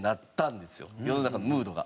世の中のムードが。